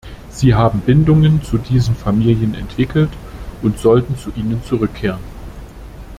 Sie haben Bindungen zu diesen Familien entwickelt und sollten zu ihnen zurückkehren.